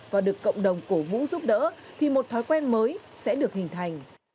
và được cộng đồng cổ vũ giúp đỡ thì một thói quen mới sẽ được hình thành